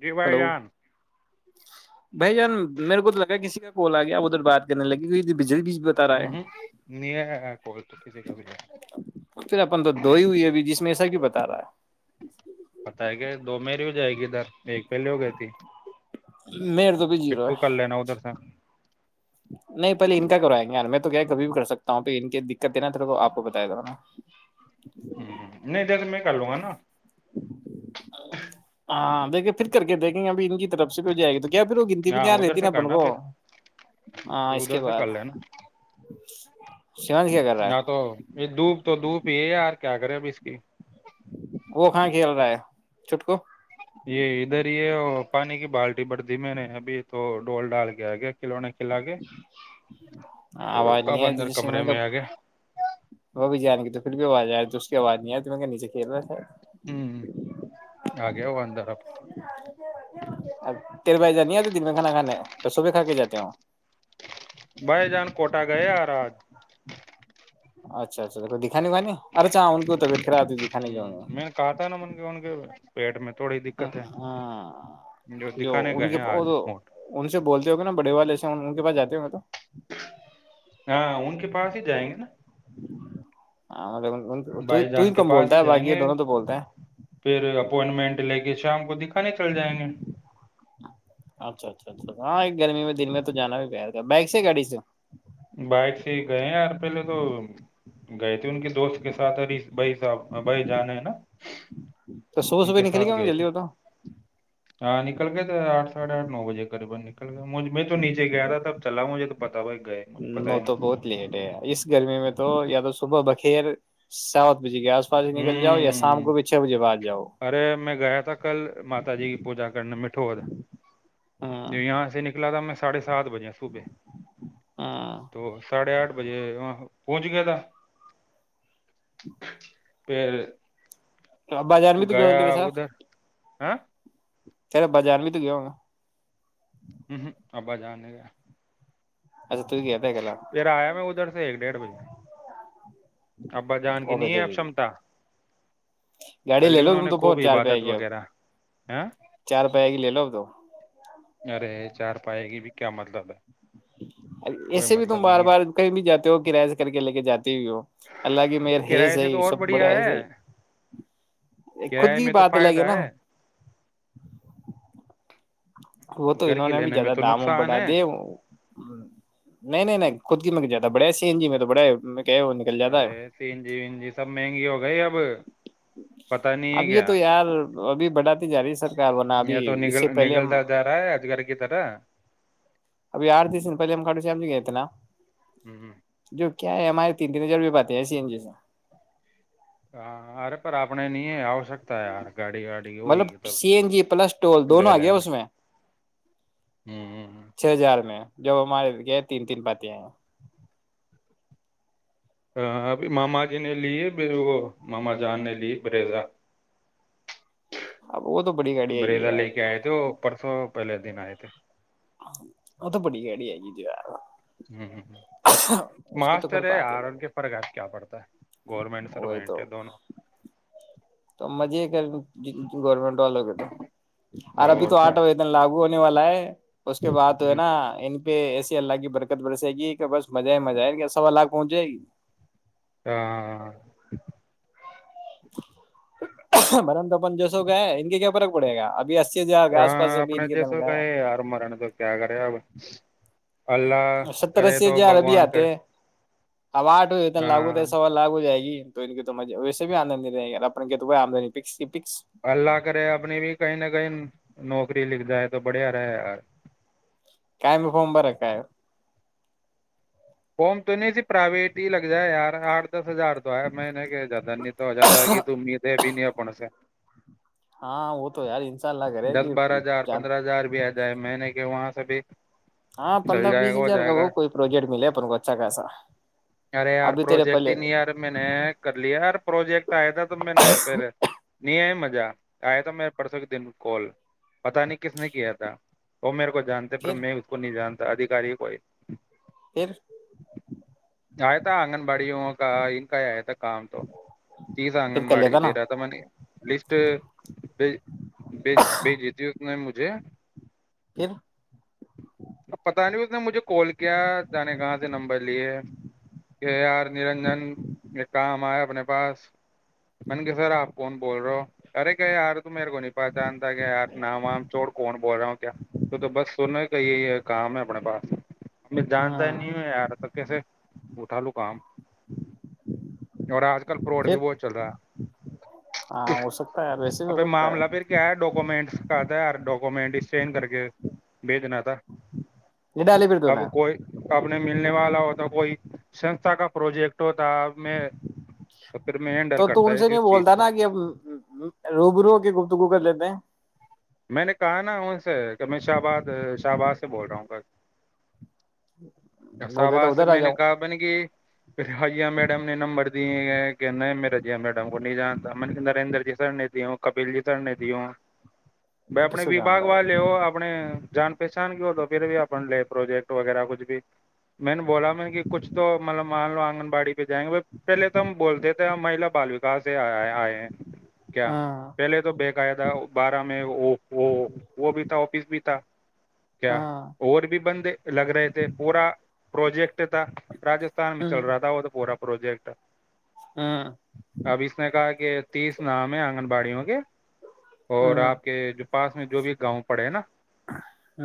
G by hello جان [unintelligible] بھائی جان میرے کو تو لگا ہے کسی کا بول آ گیا ادھر بات کرنے لگے کی ہ ہ نہیں کوئی تو کسی کا بھی نہیں پھر اپن تو دو ہی ہوئی ابھی جس میں ایسا کیوں بتا رہا بت ہے کہ دو مری جائے گی ادھر ایک پہلے ہو گئی تھی میر تو بج پھر رہو ہے کر لینا ادھر سے [unintelligible] نہیں پہلے ان کا کروائیں گے یار میں تو کیا ہے کبھی بھی کر سکتا ہوں پ ان کی دقت ہے نا تھ آپ کو بتایا تھا نا [unintelligible] ہ نہیں د تو میں کر لوں گا نا [inaudible] ہاں دیکے پھر کر کے دیکھیں گ ابھی ان کی طرف سے کوئی جائے گا تو کیا پھر وہ گنتی بھی ہاں دھیان ادھر رہتی سے نا اپن کرنا کو پھر ہاں پھر اس کے ادھر بعد سیون کیا کر رہا ہاں ہے تو یہ دھوپ تو دھوپ ہی یار [unintelligible] کیا کریں ابھی اس کی وہ کہاں کھیل رہا ہے چٹک [inaudible] یہ ادھر یہ پانی کی بالٹی بڑ دھیمے نے ابھی تو [unintelligible] ڈول ڈال گیا ہے گیا کلو نے [unintelligible] تو آواز نہیں اب آ رہی اندر تھی جسے کمرے م میں آ گیا وہ بھی جان کے تو پھر بھی آواز آ رہیھی اس کی آواز نہیں آی ت نیچے چنا سر [inaudible] ہوں آ گیا ہو اندر آف [inaudible] اچا [inaudible] تیر بجے جانی تو دن میںن کانا کانے سبھی کھا کے جاتے ہیں وہ [inaudible] بھائی جان کوٹا گئے اراج اچھا اچھا دکھا اےا ان کووبیعت ہ مین کاٹا ہے نا منک من کے [inaudible] تھوڑی دقت ہے ہاں جو دکھانے ان گئے کے ہیں آج وہ موٹ ان سے بولتے [inaudible] نا بڑے والے ہیں ان کے پس جاتے ہو گے تو [inaudible] ہاں ان کے پاس ہی جائیں گے نا [inaudible] ہم [inaudible] بھائی تو ہی جان کے کم پاس بولتا ہے جائیں باقی یہ گے دونوں تو بولتا ہے پھر [unintelligible] اپوائنٹمنٹ لے کےے شام کو دکھا [inaudible] کان چل جائیں گے [inaudible] اچھا اچھا اچھا ہاں ایک گرمی میں دن میں تو جانا بھی ب رہ گا بائک سے گاڑی سے [unintelligible] بائک سے ہی گئے ہیں یار پہلے تو گئے تھے ان کے دوست کے ساتھ ی بھائی صاحب بھائی جانے ہے نا [unintelligible] تو صبح ان صبح کے نکل ساتھ ہوں گے گئے تھے جلدی ہو تو ہاں نکل گئے تھے آٹھ [unintelligible] ساھے آٹ نو بجے قریبا نکل گیاجھ میں تو نیچے گیا تھا تب چلا مجھے تو پتا بھائی گ [unintelligible] نو تو بہت لیٹ ہے اس گرمی میں تو یا تو صبح بخیر [unintelligible] ساؤتھ [inaudible] ب کے آس پا ہی نک جاؤ یا شام ہ کو بھی [unintelligible] چھ بجے بد [inaudible] ارے میں گیا تھا کل ماتا جی کی پوجا کرنے مٹھوت ہاں جو یہاں سے نکلا تھا میں [unintelligible] ساھے [inaudible] سات بجے صبح ہاں تو ساڑھے آٹھ بجے وہ [inaudible] پچ گ تھا پھر بازار میں تو گؤں تیرے سات ہے چلے بازار میں تو گیا ہووں گا ہ ہ آبا جاننے گیا اچھا تو گیا تھا کل پھر آیا میں ادھر سے ایک ڈیڑھ بجے ہاں ابا جان کی نہیں ہے اب کمتا گاڑی لے لو تم تو بہت خوب چار پ عبادت گی اب وغیرہ ہاں چار پ گی لے لو اب تو ارے چار پائے گی بھی کیا مطلب ہے ا کوئی ایسے بھی تم مطلب بار نہیں بار ہے کہیں بھی جاتے ہو کرایہ سے کر کے لے کے جاتے بھی ہو اللہ کی تو مر ہے کرائے سے صحیح تو اور سب بڑھیا بڑے ہے صی خود کرائے کی میں تو بات ہے فائدہ لگے نا وہ تو گھر انہوں کے نے بھی لینے میں زیادہ تو داموں نقصان بٹھا ہے دے نہیں نہیں نہیں خود کی زہ بڑیا سیین جی میں تو بڑا ارے سینجی ونجی سب مہنگی ہو گئی اب پتا نہیں ہے اب یہ کیا تو یار ابھی بٹاتی جا رہی ہے سرک بنا ابھی یہ تو اس نگل سے پہلے ہم نگلتا جا رہا ہے اجگر کی طرح ابھی آار پہلے ہم ک سم گئے اتنا ہ جو کیا ہے ہمارے تین تین ہزار روپئے باتے ہیں سی این جی سے ہاں ارے پر اپنے نہیں آشکتا ہے یار گاڑی واڑی ہوئے مطلب گی تب C N G plus toll لے دونوں آ لیں گیا اس میں گے ہوں چھ ہزار میں جب ہمارے گ تین تین بات ہ ابھی ماما جی نے لیے وہ ماما جان نے لی بریزا اب وہ تو بڑی گاڑی آئے گی بریزا لے یار کے آئے تھ وہ پرسوں پہلے دن آئے تھے وہ تو بڑی گاڑی آ گی جو ہ ہ ہ یار اس کے تو ماسٹر ہے ار ان کے فرقج کیا پڑتا ہے گورنمنٹ وہ تو سروینٹ ہے دونوں تو مزے کر گورنمنٹ والو گ تو [unintelligible] ار ابھی اور تو کیا آٹا وتن لگو والا ہے اس کے بعد تو ہے نا ان پہ ایسی اللہ کی برکت برسے گی کہ بس مزہ ہے مزہ ہے کیا سوا لاکھ پہنچائے گی ہاں برم [unintelligible] اپن جو سو کا ہے انن کے کیا پر کو پڑےا ابھی ایھی [unintelligible] ہاں اپنے ج سو کہئی آر مرےنے تو کیا کرے اب اللہ ستر کرے اسی تو ہزار ابھی بھگوان آتے کرے ہیں اب آٹ ہو اتن لاگو تو ہاں ہے سوال لاگ ہو جائے گی تو ان کی تو م ویسے بھی آمندنی رہےیا اپنے تو وہ آمدنی پکس پکس اللہ کرے اپنی بھی کہیں نہ کہیں نوکری لکھ جائے تو بڑھیا رہے یار کا م فم برا کا ہے ہوم تو نہیں پرائیویٹ ہی لگ جائے یار آٹ دس ہزار تو ہے میں نہیں کہ جاتد نہیں تو جادہ کی تو امید ہے بھی نہیں اپن سے [unintelligible] ہاں وہ تو یار انشاء اللہ کرے دس کہ بارہ ہزار پندرہ ہزار بھی آ جائے میں نے کہ وہاں سے بھی ہاں چل پندرہ جائے بیس گا ہو ہزار کا جائے گا وہ کوئی پروجیکٹ ملے اپن کو اچھا کاسا ارے یار پروجیکٹ ہی نہیں ار میں نے کر لیا یار پروجیکٹ آیا تھا تو میں نے پھر نہیں آ مز جا آیا تو میرے پرسوں کے دن کو کال پتا نہیں کس نے کیا تھا وہ میرے کو جتے پر پھر میں اس کو نہیں جانتا ادھیکاری کوئی پھر آئے تھا آنگن واڑیوں کا ان کا ہی آیا تھا کام تو تیزا پھر کر آنگنباڑی لیتا دے نا رہا تھا میں نے لسٹ بھیج بھیج بھیج دی تھی اس میں مجھ جی پھر اب پتا نہیں مجھے کال کیا کیا جانے کہاں سے نمبر لیے ہے کہ یار نرنجن یہ کام آئے اپنے پاس من کے سر آپ کون بول رہے ہو ارے کہ یار تو میرے کو نہیں پہچانتا کہ یار نام وام چوڑ کون بول رہا ہوں کیا تو تو بس سنو کا یہ یہ کام ہے اپنے پاس ہمیں جانتا ہی ہاں نہیں ہے یارا تھا کیسے اٹھا لو کام اور آج کل فراڈ پھر بھی بہت چل رہا ہاں ہے ہو سکتا ہے یار ویسے بھی اور ہو پھر سکتا ہے معاملہ پھر کیا ہے ڈاکوومینٹس کہ تھا یار ڈاکومنٹ اس چین کر کے بھیجنا تھا یہ ڈاالے پھر دون کبنے ملنے والا ہوتا کوئی سنستھا کا پروجیکٹ ہوتا اب میں تو پھر میں تو ہینڈل تو کرتا ان سے ہے نہیں اس چیز بولتا کو نا کہ اب روبرو کے گفتگو کر لیتے ہیں میں نے کہا نا ان سے کہ میں شاہباد شاہباد سے بول رہا ہوں گ سا بول دیتا باز سے ادھر آ میں نے جاؤں کہا میں نے کہ ایا میڈم نے نمبر دیے کہ مے رجیا میڈم کو نہیں جانتا میں نے نریندر جی سر نے دی ہوں کپیل جی سر نے دی ہوں بھائی کس اپنے کو وبا جانتا ہے وال لے ہو اپنے جان پہچان کی تو پھر بھی اپ لے پروجیکٹ وغیرہ کچھ بھی میں نے بولا میں کہ کچھ تو مطلب مان لو آنگن باڑ جائیں گے ب پہلے تو ہم بولتےے مہیلا بال کہاں سے آئے ہیں کیا ہاں پہلے تو بقاعدہ بارہ ا وہ بھی تھا آفس بھی پتا کیا ہاں اور بھی بند لگ رہے تھے پورا پروجیکٹ تھا رجستھان میں چل رہا تھا وہ تو پورا پروجیکٹ ہاں اب اس نے کہا تیس نام ہے آنگنباڑی ا کے اور ہوں آپ جو پاس میں جو بھی گاؤں پڑے ہے نا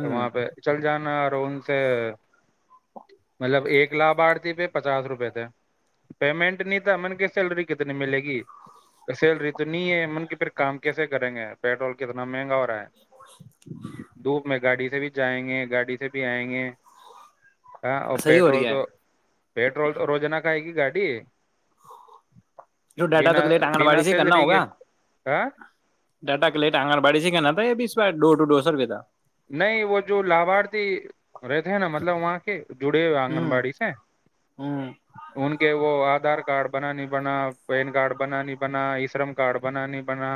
تو وہاں پہ چل جانا اور ان سے مطلب ایک لھارتھی پہ پچاس روپئے تھے پیمنٹ نہیں تھا من کے سیلری کتنی ملے گی سیلری تو نہیں ہے من کے پھر کام کیسے کریں گے پیٹرول ن میںینا رہ ہے دو میں گاڑی سے بھی جائیں گے گاڑی سے بھی آئیں گے ہاں اور صحیح ہو پیٹرول رہی ہے تو پیٹرول تو روجناہ کائے گی گاڑی جو ڈاٹا تو ک لیٹ آگن واڑی سے ہی کرنا ہوگا ا ڈاٹا کلیکٹ آگگر بڑی کیا ن تھا یہ بی اس بار ڈور ٹ ڈور سر بھیتا تھا نہیں وہ جو لابھارتھی رہتے ہیں نا مطلب وہاں کے جڑے ہوئے آنگن ہوں باڑی سے ہوں ان کے وہ آدھار کارڈ بنانی بنا پین کارڈ بنانی بنا ای شرم کارڈ بن نہیں بنا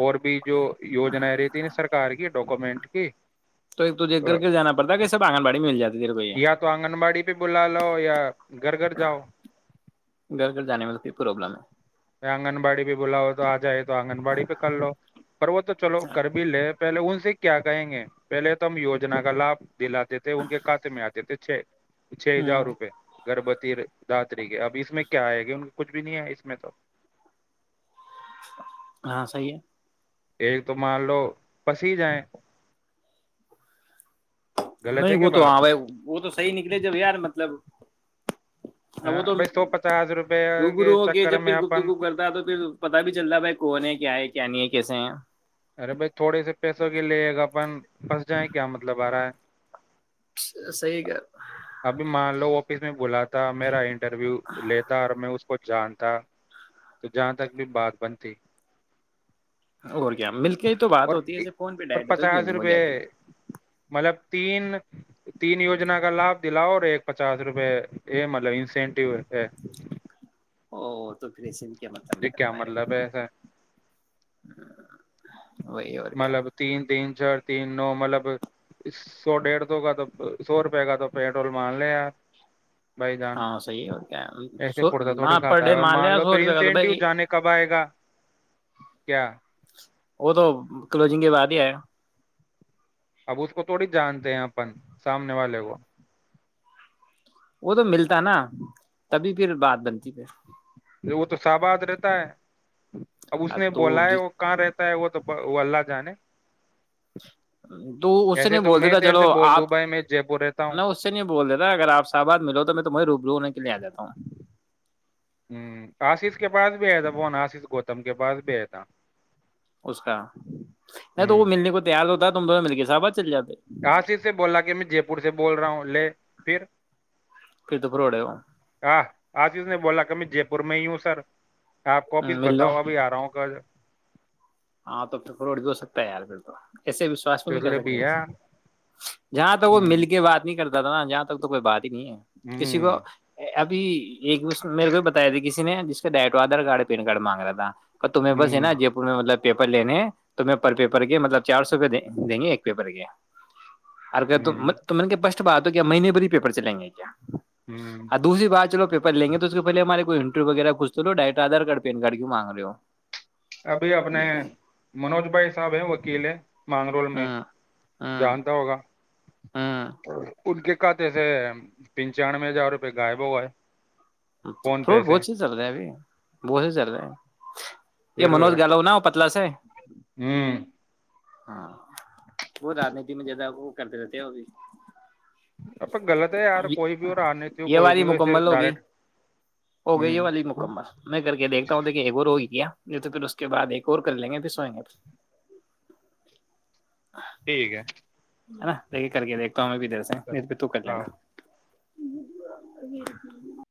اور بھی جو یوجناائیں رہتی ن سرار کی ڈاکومنٹ ایک تو ایک توجے گھر گھر جانا پڑتا ہے کہ سب آنگن باڑی میں مل جاتی دیرے کو یہ یا تو آنگن باڑی پہ بلا لو یا گھر گھر جاؤ گھر گھر جانے میں تو پرابلم ہے آنگن باڑی بھی بلاؤ تو آ جائے تو آنگن واڑی پہ کر لو پر وہ تو چلو کر بھی لے پہلے ان سے کیا کہیں گے پہلے تو ہم وجنا کا لابھ دلاتے تھے ان کے کات میں آتے تھے چھ چھ ہزار ہوں روپئے گھربچ داتریخ ہے اب اس میں کیا آئے گی ان کا کچھ بھی نہیں ہے اس میں تو ہاں صی ہے ایک تو مان لو پسی جائ نہیں وہ تو ہاں بھائی وہ تو صحیح نکلے جب یار مطلب ا ہاں وہ تو بھائی سو پچاس روپے روبرو ہو کے چکر جب پھر میں گپت اپن گپ کرتا تو پھر پتا بھی چلتا بھائی کون ہے کیا ہے جنیے کیسے ہیں ارے بھائی تھوڑے سے پیسوں کے لیے اپن پھنس جائیں کیا مطلب آ رہا ہے صحیح کہرہا کیسے بولا میرا انٹرویو لیتا اور میں کو جانتا تو جہاں تک بھی بات بنتی اور کیا مل کے ہی تو بات اور ہوتی ہے ایسے فون پہ اور ڈائٹ ہو جو پچاس نہیں ہو روپے جاتی ہے مطلب تین تین یجنا کا لابھ دلاؤ اور ایک پچاس روپے یہ مطلب ان سے [unintelligible] او تو پھر اس سن کیا مطلب نکلتا ہے گا مطلب ایسا وہی اور کیا ہے۔ مطلب تین دین اچھر تین نو مطلب سو ڈیڑھ سو کا تو سو روپے کا تو پیٹرول مان لے آپ بھائی جان ہاں صحیح ہے، اور کیا ایسے سو پڑتا تھوڑی وہاں پر کھات ہے ڈے اور مان لیا لو سو پھر روپئے کا تو انسینٹیو بھائی جانے کب آئے گا کیا وہ تو کلوزنگ کے بعد ہی آیا اب اس کو تھوڑی جانتے ہیں اپن سامنے والے کو وہ تو ملتا نا تبھی پھر بات بنتی [inaudible] س آباد رہتا ہے اب اس نے تو بولا ہے جس وہ کہاں رہتا ہے وہ تو وہ اللہ جانے [inaudible] تو اس سے ایسے نہیں تو بول میں دیتا دیر چلو سے بول آپ دوں بھائی میں جے پور رہتا ہوں میں اس سے نہیں بول دیتا اگر آپ صحباد ملو تو میں تمہیں روبرو ہونے کے لیے آ جاتتا ہوں آشیش کے پاس بھی ہے جبون آس کو گوتم کے پاس بھی ہے تھا اس کا ہ نہیں تو وہ ملنے کو تیار ہوتا تب مل گ صحب چل جا کاصر سے بولا کہ میں جے پور سے بول رہا ہوں لے [inaudible] پھر تو فراڈ ہے وہ ہاں آ چیز نہیں بولا کمی جے پور میں ہی ہوں سر آپ کوپ مل لو بتاؤ ابھی آ رہا ہوں کا ہاں تو پھر فوٹ جو ہو سکتا ہے یار پھر تو ایسے وشاس تو نہیں کر چلے بھی ہے سکتا جہاں تک وہ ہ مل کے بات نہیں کر نا جاں تک تو کوئی بات نہیں ہے ہ کسی ہ کو ابھی ایک میرے کو بتایا تھا کسی نے جس کا ڈائٹو آدھار کارڈ پین کارڈ مانگ رہا تھا تہ میں بس ہے ہ نا جے پور میں مطلب پیپر لینے ہیں تو میں پر پیپر کے مطلب چار سو روپئے دیں گے ایک پیپر کے اور ہ بس بات ہو کیا مہنے بھی ہی پیپر چلیں گے کیا اور دوسری بات چلو لیں گے تو اس پہے ہمارے کوئی انٹریو وغیرہ کھ تو لو ڈائٹدھارڈ پینارڈ کی مانگ رہے ہو ابھی اپنے منوج بھائی صاحب ہے وکیل ہے ول میں ہوں ہوں جانتا ہوگا ہاں ہوں ان کے کھات سے پنچانوے ہزار روپئے غائب ہو گئے فون پے فروٹ سے بہت سیز چل رہے ہیں ابھی بہت سی چل رہے ہیں یہ پھر موج گاالوؤنا ہو متلا سے ہے ہوں ہاں وہ راجنیتی میں زیادہ وہ کرتے رہتے ہیں وہ بھی ا غط ہے یار کوئی بھی اور رانیتی ہو یہ کوئی بھی والی ویسے مکمل ہوگئی ڈائریکٹ ہو گئی ہے ہ والی مکمر میں کر کے دیکھتا ہوں دیکو کیا جو تو پھر اس کے بعد ایک اور کر لیں گے پھر سوئیں گے پھر ٹھیک ہے ہےا لیک کے کر کے دیکھ بھیدھر سے ضرور پہ تو کر ہاں لینا [inaudible]